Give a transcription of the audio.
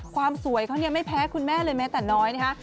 ความสวยเขาไม่แพ้คุณแม่ตรงนั้นเลย